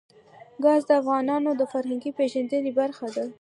ګاز د افغانانو د فرهنګي پیژندنې برخه ده.